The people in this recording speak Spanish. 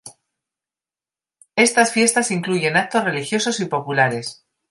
Estas fiestas incluyen actos religiosos y populares.